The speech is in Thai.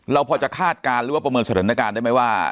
เราพอจะคาดการณ์หรือว่าประเมินสถานการณ์ได้ไหมว่า